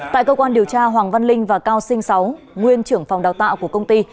tại cơ quan điều tra hoàng văn linh và cao sinh sáu nguyên trưởng phòng đào tạo của công ty